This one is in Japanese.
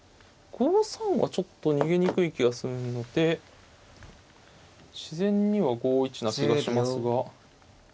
５三はちょっと逃げにくい気がするので自然には５一な気がしますが。